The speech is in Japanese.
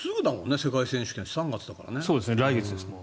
世界選手権３月だもんね。